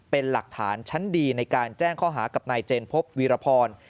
เป็นหลักฐานชั้นดีในการแจ้งข้อหากับนายเจนพบวีรพร